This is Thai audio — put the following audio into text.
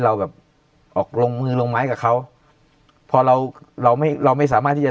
เราแบบออกลงมือลงไม้กับเขาพอเราเราไม่เราไม่สามารถที่จะ